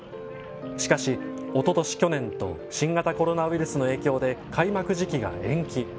しかしおととし、去年と新型コロナウイルスの影響で開幕時期が延期。